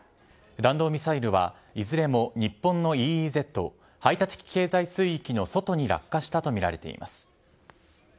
弾道ミサイルは、いずれも日本のＥＥＺ・排他的経済水域の外に落下したと見られています。